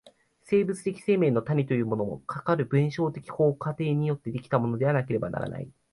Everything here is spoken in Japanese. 生物的生命の種というものも、かかる弁証法的過程によって出来たものでなければならない。